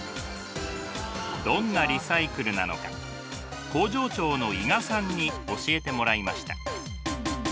どんなリサイクルなのか工場長の伊賀さんに教えてもらいました。